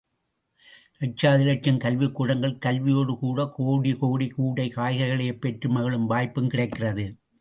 இலட்சாதி இலட்சம் கல்விக்கூடங்களில் கல்வியோடுகூட, கோடிகோடி கூடை காய்கறிகனைப் பெற்று மகிழும் வாய்ப்பும் கிடைக்கிறது.